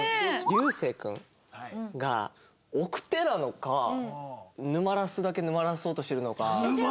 流星君が奥手なのか沼らすだけ沼らそうとしてるのか。